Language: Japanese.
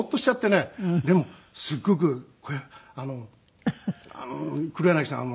「でもすごく黒柳さん